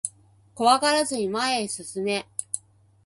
怖がらずに前へ進め